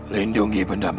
lindungi pendam berikutnya